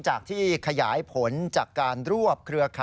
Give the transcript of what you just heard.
เห็นเศฑมือ